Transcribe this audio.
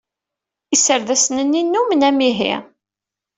Iserdasen-nni nnumen amihi.